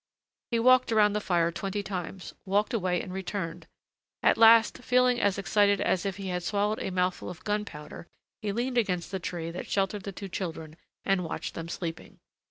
He walked around the fire twenty times, walked away and returned; at last, feeling as excited as if he had swallowed a mouthful of gunpowder, he leaned against the tree that sheltered the two children and watched them sleeping.